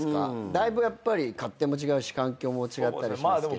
だいぶやっぱり勝手も違うし環境も違ったりしますけど。